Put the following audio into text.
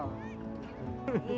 bukankah bukan crit